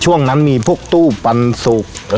ช่วงนั้นมีพวกตู้ปันสุก